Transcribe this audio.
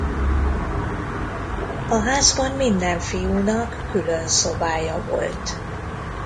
A házban minden fiúnak külön szobája volt.